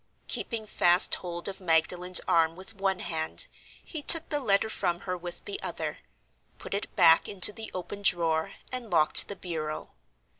Keeping fast hold of Magdalen's arm with one hand, he took the letter from her with the other, put it back into the open drawer, and locked the bureau.